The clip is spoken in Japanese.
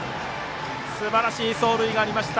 すばらしい走塁がありました